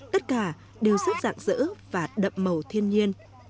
tất cả đều rất dạng dỡ và đậm màu thiên nhiên